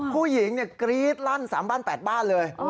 ผู้หญิงกรี๊ดลั่น๓บ้าน๘บ้านเลย